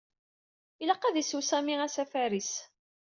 Ilaq ad isew Sami asafar-is.